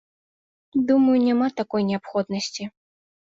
Думаю, няма такой неабходнасці.